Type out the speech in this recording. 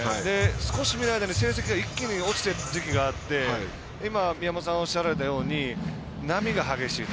少し見ない間に成績が一気に落ちている時期があって宮本さんがおっしゃったように波が激しいと。